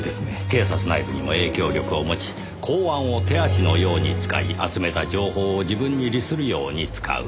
警察内部にも影響力を持ち公安を手足のように使い集めた情報を自分に利するように使う。